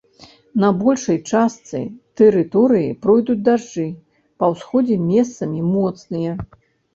На большай частцы тэрыторыі пройдуць дажджы, па ўсходзе месцамі моцныя.